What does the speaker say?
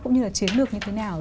cũng như là chiến lược như thế nào